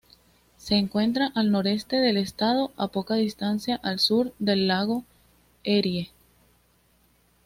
Se encuentra al noroeste del estado, a poca distancia al sur del lago Erie.